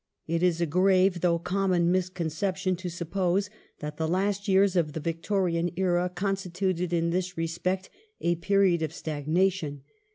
It is a grave, though common, misconception to suppose that the last years of the Victorian era constituted in this respect a period of stagnation.